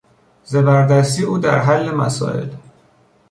زبردستی او در حل مسائل